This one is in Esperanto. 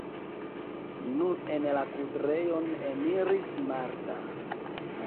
Nun en la kudrejon eniris Marta.